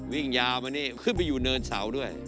วิ่งยาวมานี่ขึ้นไปอยู่เนินเสาด้วย